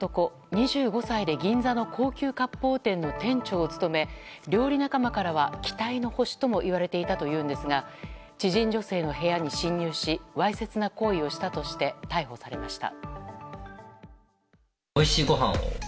２５歳で銀座の高級割烹店の店長を務め、料理仲間からは期待の星ともいわれていたというんですが知人女性の部屋に侵入しわいせつな行為をしたとして逮捕されました。